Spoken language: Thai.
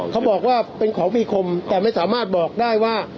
เขาบอกว่าเป็นของมีคมแต่ไม่สามารถบอกได้ว่า